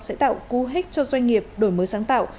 sẽ tạo cú hích cho doanh nghiệp đổi mới sáng tạo